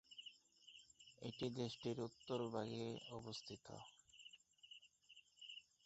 এটি দেশটির উত্তরভাগে অবস্থিত।